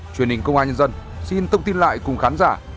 truyền hình công an nhân dân xin thông tin lại cùng khán giả